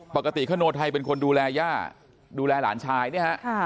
คโนไทยเป็นคนดูแลย่าดูแลหลานชายเนี่ยฮะ